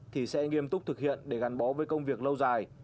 thì sẽ nghiêm túc thực hiện để gắn bó với công việc lâu dài